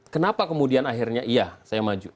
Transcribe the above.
kenapa kemudian akhirnya iya saya maju